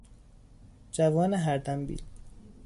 جوان هردمبیل